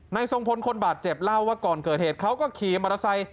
ทรงพลคนบาดเจ็บเล่าว่าก่อนเกิดเหตุเขาก็ขี่มอเตอร์ไซค